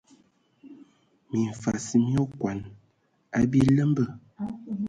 Mimfas mi okɔn a biləmbə.